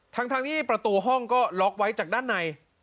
ทั้งที่ประตูห้องก็ล็อกไว้จากด้านใน